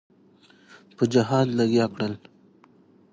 په جهاد لګیا کړل.